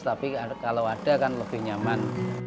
tapi kalau ada kan lebih nyaman